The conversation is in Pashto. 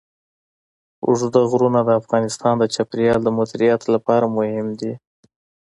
اوږده غرونه د افغانستان د چاپیریال د مدیریت لپاره مهم دي.